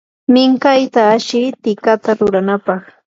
minkayta ashi tikata ruranampaq.